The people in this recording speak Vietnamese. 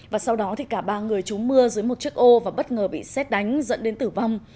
và sau đó cả ba người trú mưa dưới một chiếc ô và bất ngờ bị xét đánh dẫn đến tử vong